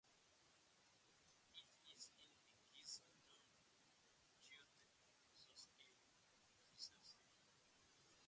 It is in the Geyser Known Geothermal Resource Area (The Geysers).